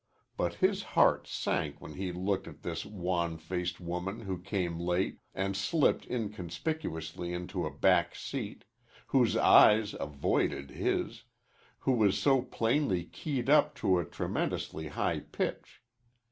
But his heart sank when he looked at this wan faced woman who came late and slipped inconspicuously into a back seat, whose eyes avoided his, who was so plainly keyed up to a tremendously high pitch.